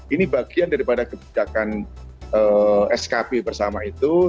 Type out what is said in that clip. ini bagian daripada kebijakan skb bersama itu